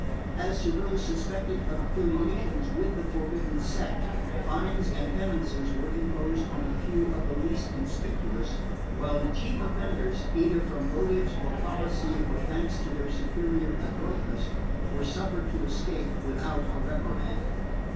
As to those suspected of affiliations with the forbidden sect, fines and penances were imposed on a few of the least conspicuous, while the chief offenders, either from motives of policy or thanks to their superior adroitness, were suffered to escape without a reprimand.